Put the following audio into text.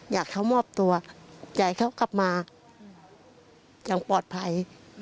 อยากเข้ามอบตัวอยากให้เขากลับมาอย่างปลอดภัย